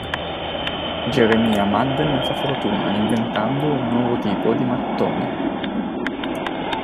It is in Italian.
Jeremiah Madden fa fortuna inventando un nuovo tipo di mattone.